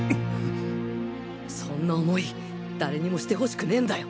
そんな思い誰にもしてほしくねんだよ。